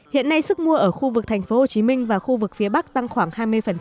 hiện nay sức mua ở khu vực thành phố hồ chí minh và khu vực phía bắc tăng khoảng hai mươi